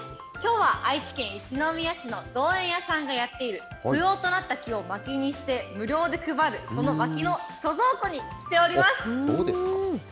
きょうは愛知県一宮市の造園屋さんがやっている、不要となった木をまきにして、無料で配るそのまきの貯蔵庫に来ております。